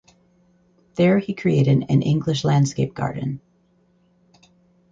There he created an English landscape garden.